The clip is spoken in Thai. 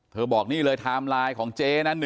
บอกนี่เลยไทม์ไลน์ของเจ๊นะ